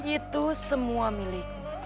itu semua milikmu